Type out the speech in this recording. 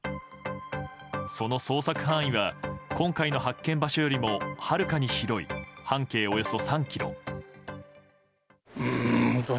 その捜索範囲は今回の発見場所よりもはるかに広い、半径およそ３ｋｍ。